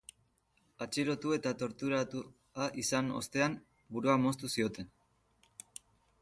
Atxilotu eta torturatua izan ostean, burua moztu zioten.